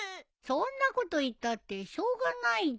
そんなこと言ったってしょうがないじゃん。